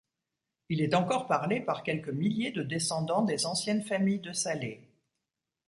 Il est encore parlé par quelques milliers de descendants des anciennes familles de Salé.